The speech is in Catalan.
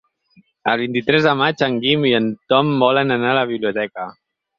El vint-i-tres de maig en Guim i en Tom volen anar a la biblioteca.